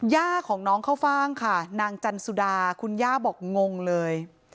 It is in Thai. ย่าของน้องเข้าฟ่างค่ะนางจันสุดาคุณย่าบอกงงเลย